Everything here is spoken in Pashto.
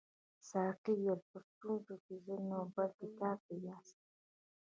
ساقي وویل په ستونزه کې زه نه بلکې تاسي یاست.